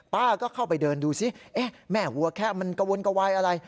ป้าก็เข้าไปเดินดูสิแม่วัวแคะมันกระวนกระวายอะไร